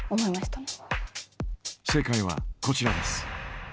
正解はこちらです。